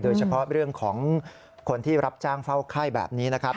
โดยเฉพาะเรื่องของคนที่รับจ้างเฝ้าไข้แบบนี้นะครับ